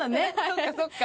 そっかそっか。